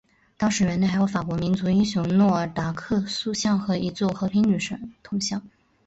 当时园内还有法国民族英雄诺尔达克塑像和一座和平女神铜像。